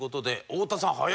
太田さん